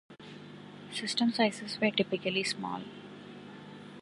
System sizes were typically small.